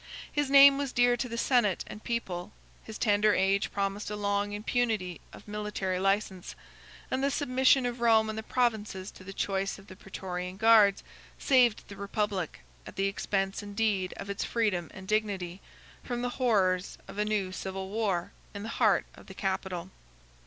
His name was dear to the senate and people; his tender age promised a long impunity of military license; and the submission of Rome and the provinces to the choice of the Prætorian guards saved the republic, at the expense indeed of its freedom and dignity, from the horrors of a new civil war in the heart of the capital.